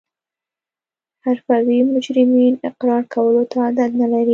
حرفوي مجرمین اقرار کولو ته عادت نلري